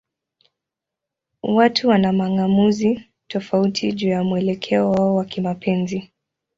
Watu wana mang'amuzi tofauti juu ya mwelekeo wao wa kimapenzi.